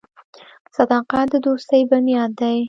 • صداقت د دوستۍ بنیاد دی.